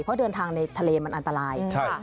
เพราะเดินทางในทะเลมันอันตราย